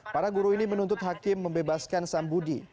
para guru ini menuntut hakim membebaskan sam budi